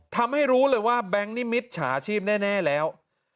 ทำให้รู้เลยว่าแบงค์นิมิตรฉาชีพแน่แล้ว